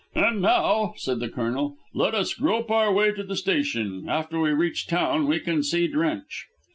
"And now," said the Colonel, "let us grope our way to the station. After we reach town we can see Drench."